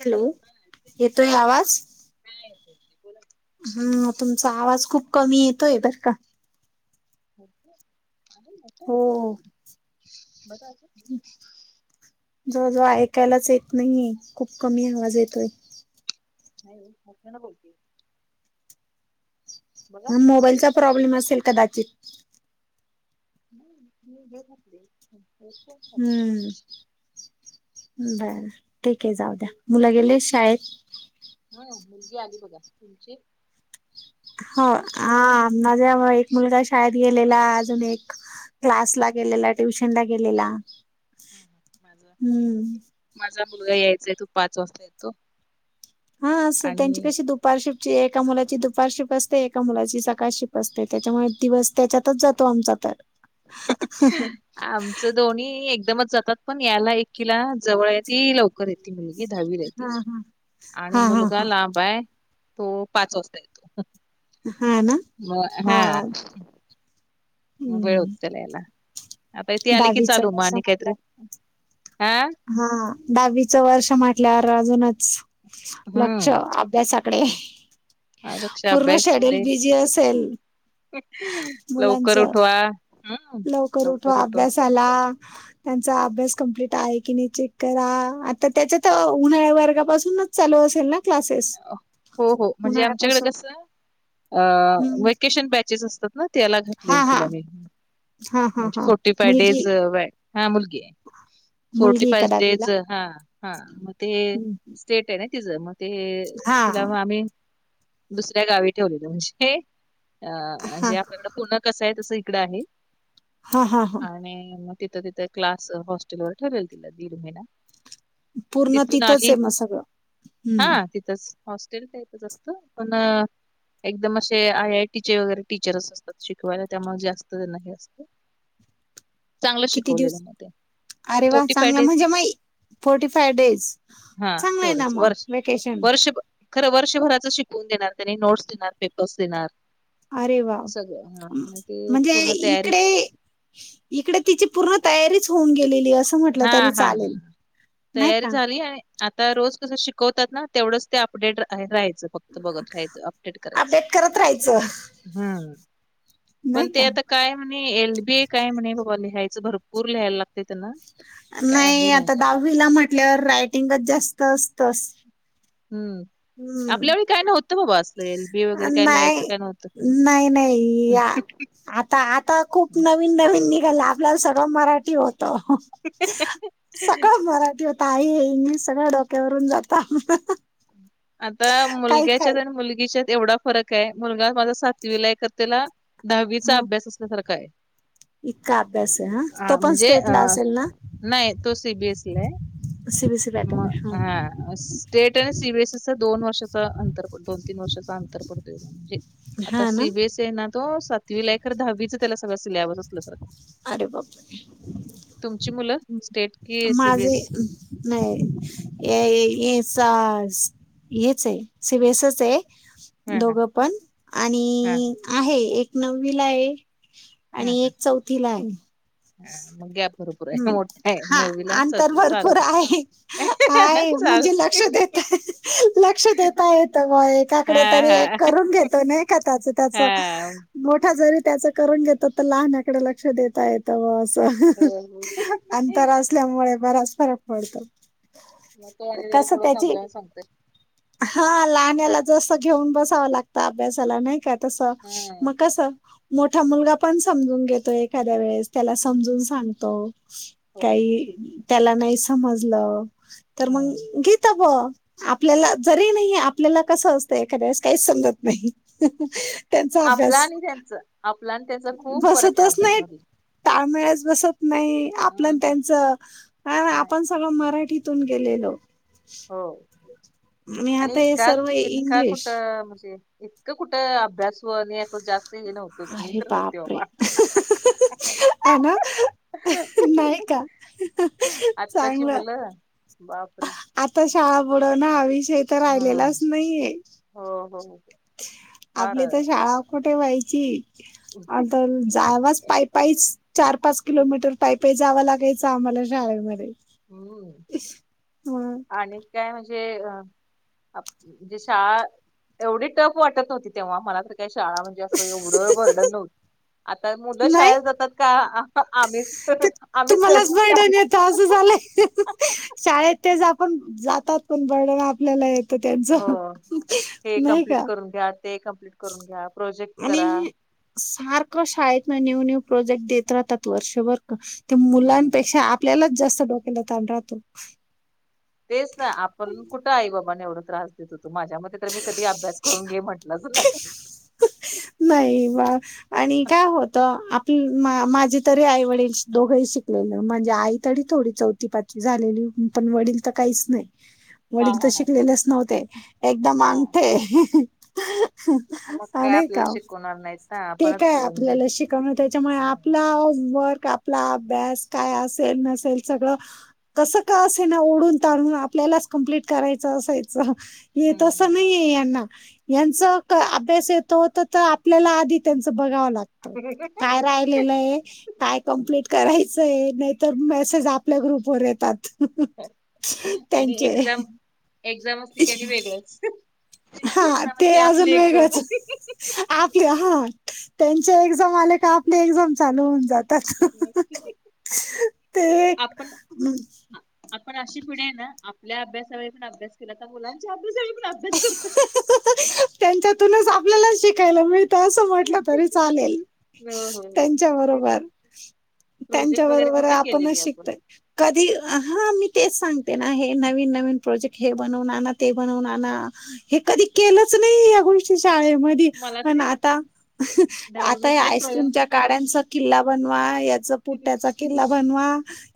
Hello येतोय आवाज हम् तुमचा आवाज खूप कमी येतोय बरं का हो हो [inaudible] जवळ जवळ ऐकायलाच येत नाहीये खूप कमी आवाज येतोय नाही हो मोठ्याने बोलतिये म.. मोबाईलचा प्रॉब्लेम असेल कदाचित [inaudible] हम्म बरं ठिकय जाऊ द्या मुलं गेले शाळेत हम मुलगी आली बघा तुमची [unintelligible] एक मुलगा शाळेत गेलेला अजून एक क्लास ला गेलेला ट्युशन ला गेलेला [inaudible] माझं- हम्म माझा मुलगा यायचय तो पाच वाजता येतो हा असं त्यांची आणि कशी दुपारशीफ्टची एका मुलाची दुपारशीफ्ट अस ते एका मुलाची सकाळची शिप असते, त्याच्यामुळे दिवस त्याच्यातच जातो आमचा तर आमचं दोन्ही एकदमच जातात पण यायला एकीला जवळ आहे ती लवकर येते ती मुलगी दहावीला आहे, हा ती हा आणि हा हा हा मुलगा लांब आहे. तो पाच वाजता येतो. हा ना मग हा मग वेळ होत हम्म चालला यायला आता ते आले की दहावीच चालू मग वर्ष आणि काहीतरी म्हटलं हा दहावीचं वर्ष म्हटल्यावर अजूनच लक्ष हम्म अभ्यासात कडे त्यापेक्षा पूर्ण शेड्यूल अभ्यासकडे बिझी असेल? मुलांच लवकर उठवा. लवकर उठवा अभ्यासाला त्यांचा अभ्यास कंप्लीट आहे की नाही चेक करा, आता त्याच्यात उन्हाळ्या वर्गापासून चालू असेल ना? क्लासेस हो हो म्हणजे उन्हाळ्यापासून आमच्याकडं कसं अ हम्म व्हेकेशन बॅचेस असतात ना त्याला हा घातलेल हा तिला मी. हा हा म्हणजे हा फोर्टी फाय मुलगी डेज व्या हा मुलगी आहे. मुलगी फोर्टी आहे का फईव दहावीला डेज हा हा मग ते हम्म. स्टेट आहे ना तिचं, मग ते हा तिला मग आम्ही दुसऱ्या गावी ठेवलेलं म्हणजे, अ हा म्हणजे आपल्याकडे पुणं कसं आहे. तसं इकड आहे हा हा हा आणि मग तिथं तिथं क्लास हॉस्टेल वर, ठेवलेलं तिला दीड महिना. पूर्ण तिथून तिथंच आली आहे, मग सगळं हम? हा तिथंच हॉस्टेल टाईपच असत पण अ एकदम असे आय आय टीचे वगैरे टीचरस असतात शिकवायला त्यामुळं जास्त त्यांना हे असतं चांगलं किती शिकवलेलं दिवस मग ते. अरे वा फोर्टी फाय चांगला डेज म्हणजे म फोर्टी फाय डेज हा चांगला आहे ना तेवढंच मग वर्ष वकेशन वर्ष खरं वर्षभराच शिकवून देणार त्यांनी नोट्स देणार पेपर्स देणार अरे! वाव. सगळं हा मग ते म्हणजे, पूर्ण इकडे तयारीच इकडे तिची पूर्ण तयारीच होऊन गेलेली. हे असं म्हटलं हा तरी हा हा चालेल नाही तयारी का झाली आणि आता रोज कसं शिकवतात ना, तेवढंच ते अपडेट राहायचं. फक्त बघत राहायचं अपडेट करायचं अपडेट करत राहायचं हम्म. पण नाही का ते आता काय म्हणे, एल बी ए काय म्हणे बाबा लिहायचं भरपूर लिहायला लागते त्यांना. काय आहे नाही, माहि आता दहावीला म्हटल्यावर रायटिंगच जास्त असतं असं. हम. आपल्या वेळी काय नव्हतं बाबा असलं एल बी ए वगैरे काय लिहायचं नाही काय नव्हतं नाही नाही या आता आता खूप हं. नवीन नवीन निघ आपल्याला सर्व मराठी होतं सगळं मराठी होतं आहे, हे इंग्लिश सगळं डोक्यावरून जातं. आता मुलग्याच्यात आणि मुलगीच्यात एवढा फरक आहे मुलगा माझा सातवीलाय खरं त्याला दहावीचा हा अभ्यास असल्यासारखा आहे इतका अभ्यास आहे, हं हा तो पण म्हणजे अ स्टेटला असेल ना. नाही तो सी बी एस ई लाय सीबीसी पॅटर्न मग आहे हा स्टेट आणि सी बी एस ई असं दोन वर्षाचं अंतर दोन तीन वर्षाचा अंतर अंतर पडतंय म्हणजे, आता हा ना सी बी एस ई आहे ना तो कितविलाय खरं दहावीचं त्याला सगळं सिलॅबस असलं तर. अरे बाप तुमची मुलं रे स्टेट कि माझे सीबीएस नाही हाय हे हे हेचा हेच आहे सी बी एस च आहे. हा हा दोघं पण आणि हा. आहे एक नववी ला आहे हा आणि हा एक चौथी ला आहे हा मग गॅप भरपूर हम् आहे मोठा आहे हा नववीला आणि अंतर चौथीला भरपूर चालते. आहे काय म्हणजे लक्ष चालते येत लक्ष देता येत व हा एकाकडे तरी एक हा करून घेतो नाही का त्याचं त्याच हा. मोठा जरी त्याच करून घेतो तर लहानकडे लक्ष देता येतं व असं हो हो. अंतर असल्यामुळे बराच फरक पडतो मग तो आणि जरा कस थोडं त्याची समजावून सांगतोय हा हा लहाण्याला जस घेऊन बस बसाव लागत अभ्यासाला नाही का तस हम्म. मग कस मोठा मुलगा पण समजून घेतो एखाद्या वेळेस त्याला समजून सांगतो. हो हो हो काही त्याला नाही समजलं तर मग ह. घेतो मग आपल्याला जरी नाही आपल्याला कसं असतं एखाद्यास काहीच समजत नाही त्यांचा आपला अभ्यास आणि त्यांच आपला आणि त्यांचा खूप फरक आहे अभ्यासामध्ये ताळमेळ बसत नाही हम्म आपण हम्म त्यांच नाही आपण सगळ मराठी तून गेलेलो. हो आणि आता हे इतका सर्व इतका इंग्लिश कुठं म्हणजे. इतकं कुठं अभ्यास व आणि अस जास्त हे नव्हतच मी अरे तर नव्हते बापरे बाबा. आहे ना नाही का आत्ताची चांगलं. मुलं बापरे! चहा बुडवण ह विषय तर राहिलेलाच हम्म नाहीये. हो हो. फार आपली तर शाळा कुठे व्हायची? आता तर जावाच पायपाईच चार पाच किलोमीटर पायपाई. जाव लागायच आम्हाला शाळेमध्ये हम्म हं. आणि काय म्हणजे? म्हणजे शाळा एवढी टफ वाटत न्हवती तेव्हा मला काय. शाळा म्हणजे अस एवढ बर्डन नव्हतं आत्ता मुल नाही शाळेत जातात. का आम्हीच तर ते तुम्हालाच बर्डन येत असं झालंय. शाळेत तेच आपण जातात पण बर्डन आपल्याला येत. त्यांच हो हे नाही कम्प्लीट का? करून घ्या ते कम्प्लीट करून घ्या प्रोजेक्ट करा आणि सारखं शाळेत न्यू न्यू. प्रोजेक्ट देत राहतात वर्षभर हम्म. मुलांपेक्षा आपल्याला जास्त डोक्याला ताण राहतो. तेच ना आपण कुठं आई बाबाना एवढा त्रास देत होतो. माझ्या मध्ये तर मी कधी अभ्यास करून घे म्हटलंच नाही. नाही बा आणि काय होत माझी तरी आई वडील दोघंही शिकलेलं म्हणजे आई तरी थोडी चौथी पाचवी झालेली. पण वडील तर काहीच नाही. हा वडील तर हा हा शिकलेलेच नव्हते एकदम हा. अंगठे मग काय आणि का आपल्याला शिकवणार नाही. ते काय आपल्याला शिकवण त्याच्यामुळे आपला वर्क. आपला अभ्यास काय असेल नसेल सगळ कस का असे ना ओढून ताडून आपल्याला कम्प्लिट करायचा असायचं. तस हम्म. नाही यांना यांच अभ्यास येतो आपल्याला आधी. त्यांच बगाव लागत काय राहिलेल आहे काय कम्प्लिट करायचय. तर मेसेज आपल्या ग्रुपवर येतात. आणि त्यांचे एक्झाम एक्झामच असली की ती आणि वेगळच. हा ते अजून वेगळंच आपले हा. त्यांचे एक्झाम आले का आपली एक्झाम चालू होऊन जात. ते एक. पण अशी पिणे ना आपल्या अभ्यासा व पण अभ्यास केला तर मुलांच्या. पण अभ्यास करत. त्यांच्यातूनच आपल्याला शिकयला मिळ. ते असं म्हटलं तरी चालेल हो हो हो त्यांच्या ठीक आहे बरोबर. त्यांच्या प्रोजेक्ट वगैरे बरोबर कुठे आपणच केलेली आपण शिकतय कधी हा मी तेच सांग तेना हे नवीन नवीन प्रोजेक्ट हे बनवून आण ते बनवून आणा. हे कधी केलंच नाही या गोष्टी. शाळेमध्ये मला तरी आता आता या दहावीतले प्रयोग आईस्क्रीमच्या काड्यांचा किल्ला बनवा. ह याच पुट्याचा किल्ला बनवा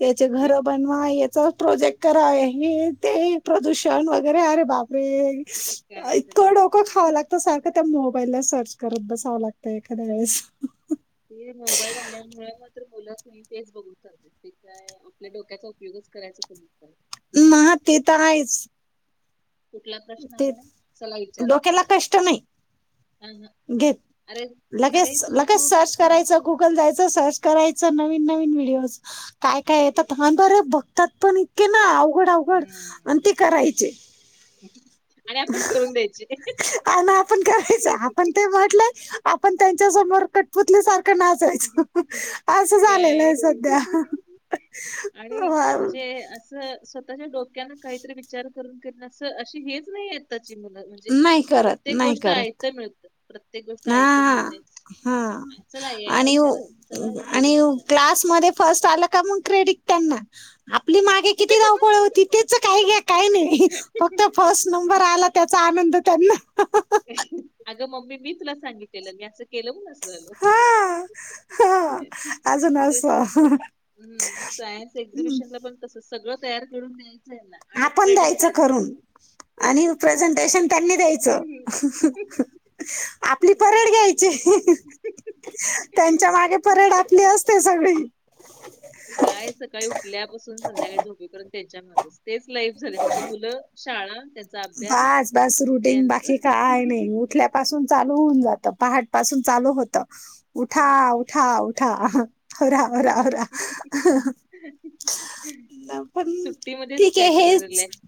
याचे घर बनवा याच प्रोजेक्ट करा हे ते प्रदूषण वगैरे अरे बापरे! काय खरं नाही. इतकं डोकं खावं लागतं सारखं त्या मो पहिल्या सर्च करत बसावं लागतं एखाद्या वेळेस ते मोबाईल आल्यामुळे मात्र मुलं तेच बघू ते काय आपल्या डोक्याचा उपयोगच करायचा करत. म ते तर आहेच कुठला प्रश्न... ते चला डोक्याला विचारतिये कष्ट नाही घेत अरे लगेच तुझं लगेच तू सर्च हा करायचं गुगल जायच तर सर्च करायच नविन नविन व्हीडीओज काय काय येतात हं अगं रे बघतात पण इके ना अघड अवघड हम्म आणि ते करायचे. आणि आपण करून द्यायचे अ ना आपण करायचं आपण ते म्हटलंय. आपण त्यांच्या समोर कटपुतली सारख नाचायच असं झालेलं काय आहे सध्या. हे अस स्वतःच्या डोक्यान काहीतर विचार करून करीन असं आशी हेच नाही म्हणजे मुल म्हणजे नाही करत प्रत्येक नाही गोष्ट करत आईत्त मिळत प्रत्येक गोष्ट ऐईत्त हा मिळते हा चला या आणि हो आणि हो क्लास मध्ये फस्ट आल का मग क्रेडीट त्यांना. आपली मागे किती धावपळ होती तेच काही घ्या काही नाही फक्त फर्स्ट नंबर आला त्याचा आनंद त्यांना. अगं मम्मी मी तुला सांगितलेलं मी असं केलं म्हणून आस झाल. हा हा अजून ते असं हम्म सायन्स एक्झिबिशन ला पण तसच. सगळं तयार करून म आपण द्यायचं करून आणि प्रेझंटेशन त्यांनी द्यायचं आपली परड घ्यायची त्यांच्या मागे परेड आपली असते सगळी. काय सकाळी उठल्यापासून संध्याकाळी झोपेपर्यंत त्यांच्या मागेच तेच लाईफ झाले फक्त मुलं शाळा त्यांचा अभ्यास बास बास रुटिंग त्यांच बाकी काय नाही उठल्यापासून चालू होऊन जात पहाट पासून चालू होत उठा हम्म उठा उठा आवरा आवरा आवरा. पण सुट्टीमध्येच ठीक आहे काहीतरी जरा हेच रीलक्स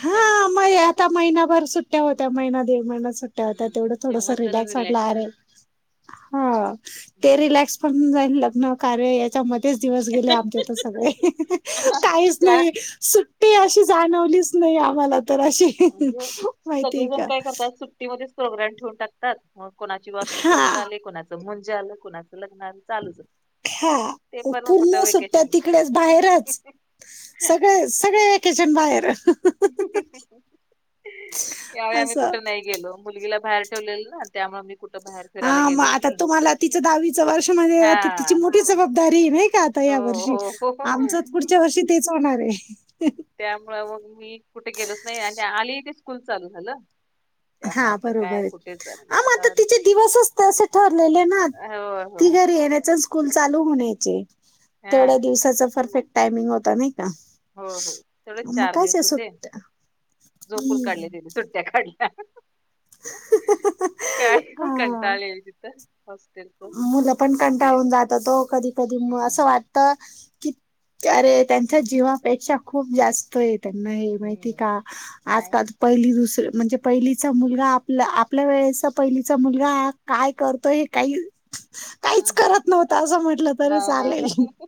हा मय आता महिनाभर सुट्ट्या होत्या महिना दीड महिन सुट्ट्या होत्या हम्म तेवढं थोड तेव्हाच जरा रिलॅक्स वाटला आरे मिळत. हा ते रिलॅक्स पण जाईल लग्न कार्य याच्यामध्ये. तेच दिवस गेले आमच्यात तर सगळे काहीच त्या नाही सुट्टी अशी जाणवलीच नाही आम्हाला तर अशी म्हणजे माहिती आहे सगळेजण का. काय करतात सुट्टीमध्येच प्रोग्राम ठेवून टाकतातग मग कोणाची वास्तू हा शांत आली, कोणाचं मुंज आलं, कोणाचं लग्न आलं चालूच हा ते पण कुठं पूर्ण सुट्या वेकेशन तिकडेच बाहेरच. सगळे सगळे किचन बाहेर. त्यावेळी आम्ही असं कुठ नाही गेलो मुलगीला बाहेर ठेवलेल ना त्यामुळे मी कुठं बाहेर फिरायला हा मग गेलोच आता नाही तुम्हाला तिचं दहावीच वर्ष म्हणजे आता तिची हा मोठी जबाबदारी नाही का आता या वर्षी हो, हो, हो. आमच पुढच्या वर्षी तेच होणार हे. त्यामुळे मग मी कुठे गेलोच नाही आणि आली ते स्कूल चालू झालं. त्यामुळे आता काय कुठे जाणार नाही आता तर तिचे दिवस असत असे ठरलेले ना हो, हो, ती हो. घरी येण्याच स्कूल चालू होण्याचे हा तेवढ्या दिवसाच परफेक्ट टायमिंग होता नाही का हो, हो. तेवढेच मग चार कायच्या दिवस होते सुट्ट्या झोपून काढले हम्म. तिने सुट्ट्या काढल्या काय म हा कंटाळलेले तिथं हॉस्टेलच मुलं पण कंटाळून जेवण जातात वो कधी कधी म हम्म. असं वाटत की अरे त्यांच्या जीवापेक्षा खूप जास्त य त्यांनाही माहिती हम्म. का नाही आजकाल पहिली दुसर म्हणजे पहिलीचा मुलगा आपला आपल्या वेळेचा पहिलीचा मुलगा काय करतोय हे काही काहीच हं, हं. करत नव्हत असं म्हंटलं तरी नाही, नाही, चालेल नाही.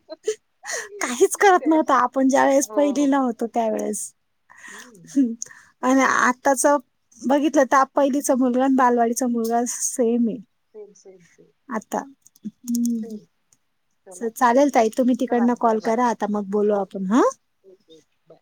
काहीच करत ते नव्हतो आपण ज्या वेळेस हो, हो, पहिलीला हो. होतो त्यावेेळेस हम्म आणि आताच बघितलं तर, पहिलीचा मुलगा आणि बालवाडीचा मुलगा सेम आहे. सेम-सेम-सेम. आता हम. चला, चालेल ताई तुम्ही चला, तिकडन चला कॉल बाय. करा, आता मग बोलू ओके, आपण हा. ओके. [unintelligible]